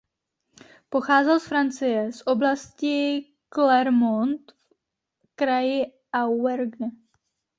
Pocházel z Francie z oblasti Clermont v kraji Auvergne.